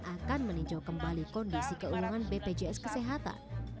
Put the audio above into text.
akan meninjau kembali kondisi keuangan bpjs kesehatan